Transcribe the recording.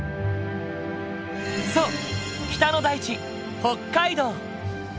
そう北の大地北海道！